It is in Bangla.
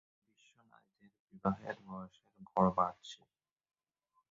বিশ্বে নারীদের বিবাহের বয়সের গড় বাড়ছে।